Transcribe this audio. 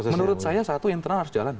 menurut saya satu internal harus jalan